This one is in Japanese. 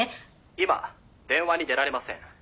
「今電話に出られません」